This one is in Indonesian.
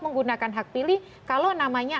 menggunakan hak pilih kalau namanya